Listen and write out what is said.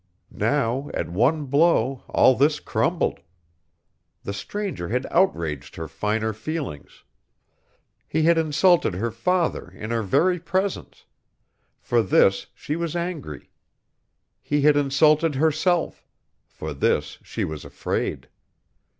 Now at one blow all this crumbled. The stranger had outraged her finer feelings. He had insulted her father in her very presence; for this she was angry. He had insulted herself; for this she was afraid.